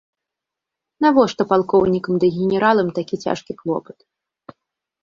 Навошта палкоўнікам ды генералам такі цяжкі клопат?